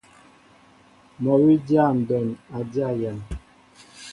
Mol wi dya ndɔn a dya yam.